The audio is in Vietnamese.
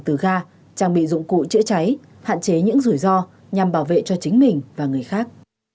từ ga trang bị dụng cụ chữa cháy hạn chế những rủi ro nhằm bảo vệ cho chính mình và người khác